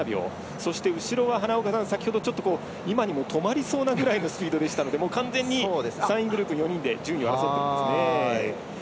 そして、後ろは今にも止まりそうなぐらいのスピードでしたのでもう完全に３位グループ４人で順位を争っていますね。